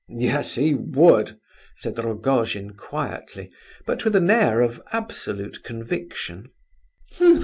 "Yes, he would!" said Rogojin, quietly, but with an air of absolute conviction.